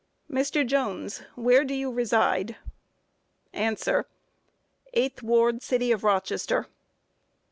Mr. Jones, where do you reside? A. Eighth ward, city of Rochester.